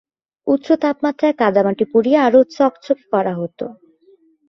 উচ্চ তাপমাত্রায় কাদামাটি পুড়িয়ে আরও চকচকে করা হত।